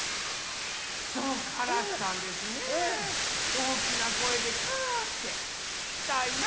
おおきなこえで「カー」ってききたいな。